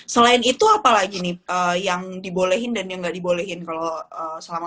selain itu apalagi nih yang dibolehin dan yang gak dibolehin kalau selama masa